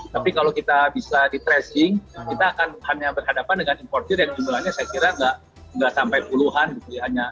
tapi kalau kita bisa di tracing kita akan hanya berhadapan dengan importir yang jumlahnya saya kira nggak sampai puluhan gitu ya